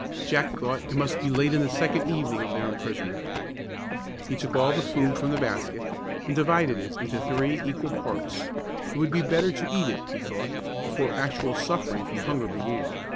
Jack thought it must be late in the second evening of their imprisonment. He took all the food from the basket, and divided it into three equal parts. It would be better to eat it, he thought, before actual suffering from hunger began.